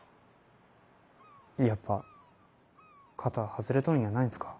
やっぱ肩外れとるんやないんすか？